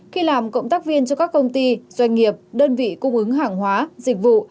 khi làm cộng tác viên cho các công ty doanh nghiệp đơn vị cung ứng hàng hóa dịch vụ